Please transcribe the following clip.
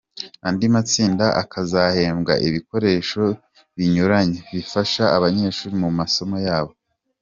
Andi matsinda akazahembwa ibikoresho binyuranye, bifasha abanyeshuri mu masomo yabo.